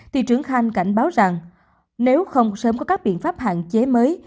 thị trưởng khanh cảnh báo rằng nếu không sớm có các biện pháp hạn chế mới